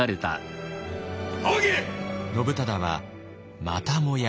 信忠はまたもや